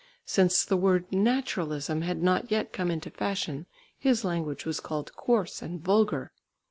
Since the word Naturalism had not yet come into fashion, his language was called coarse and vulgar.